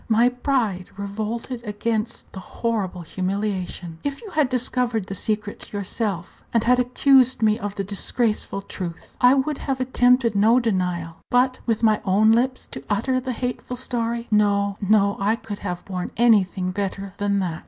My pride revolted against the horrible humiliation. If you had discovered the secret yourself, and had accused me of the disgraceful truth, I would have attempted no denial; but with my own lips to utter the hateful story no, no, I could have borne anything better than that.